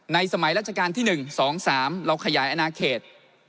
สมัยราชการที่๑๒๓เราขยายอนาเขต